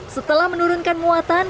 setelah menurunkan muatan